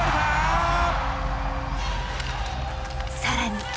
更に。